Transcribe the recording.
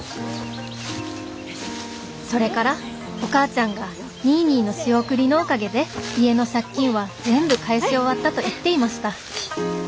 「それからお母ちゃんがニーニーの仕送りのおかげで家の借金は全部返し終わったと言っていました」。